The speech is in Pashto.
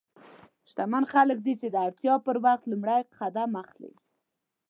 شتمن څوک دی چې د اړتیا پر وخت لومړی قدم اخلي.